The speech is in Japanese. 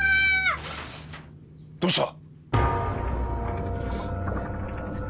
どうした！？